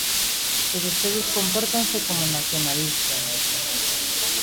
E vostedes compórtanse como nacionalistas.